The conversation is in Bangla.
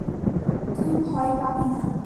তুই ভয় পাবি না।